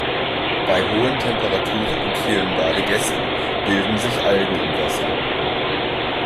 Bei hohen Temperaturen und vielen Badegästen bilden sich Algen im Wasser.